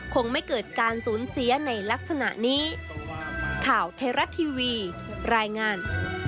คงไม่เกิดการสูญเสียในลักษณะนี้ข่าวไทยรัฐทีวีรายงาน